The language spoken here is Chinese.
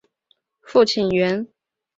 父亲袁。